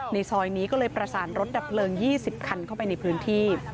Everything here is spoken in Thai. ในซอยนี้ก็เลยประสานรถดับเปลืองยี่สิบคันเข้าไปในพื้นที่